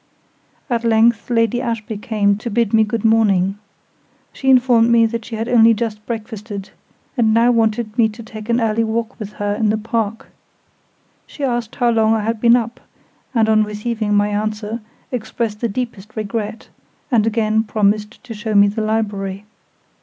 At length Lady Ashby came to bid me good morning. She informed me she had only just breakfasted, and now wanted me to take an early walk with her in the park. She asked how long I had been up, and on receiving my answer, expressed the deepest regret, and again promised to show me the library.